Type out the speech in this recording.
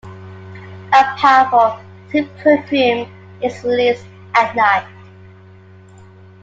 A powerful, sweet perfume is released at night.